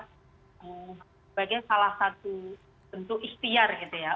sebagai salah satu bentuk ikhtiar gitu ya